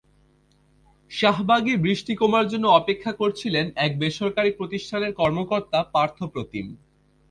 শাহবাগে বৃষ্টি কমার জন্য অপেক্ষা করছিলেন একটি বেসরকারি প্রতিষ্ঠানের কর্মকর্তা পার্থ প্রতিম।